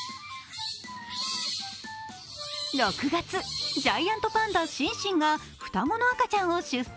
６月、ジャイアントパンダ・シンシンが双子の赤ちゃんを出産。